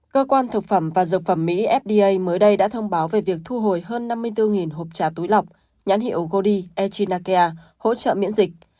cơ quan thực phẩm và dược phẩm mỹ fda mới đây đã thông báo về việc thu hồi hơn năm mươi bốn hộp trà túi lọc nhãn hiệu godi etinakia hỗ trợ miễn dịch